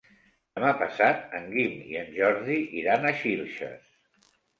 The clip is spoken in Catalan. Demà passat en Guim i en Jordi iran a Xilxes.